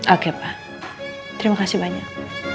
oke pak terima kasih banyak